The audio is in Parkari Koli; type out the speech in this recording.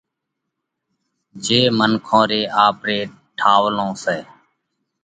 جي منکون ري آپري ٺاوَلون سئہ۔